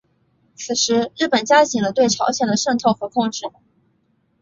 此时日本加紧了对朝鲜的渗透和控制。